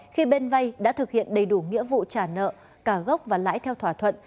khi bên vay đã thực hiện đầy đủ nghĩa vụ trả nợ cả gốc và lãi theo thỏa thuận